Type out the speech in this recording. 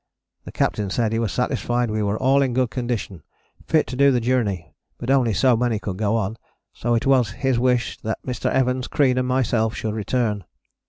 The Captain said he was satisfied we were all in good condition, fit to do the journey, but only so many could go on, so it was his wish Mr. Evans, Crean and myself should return.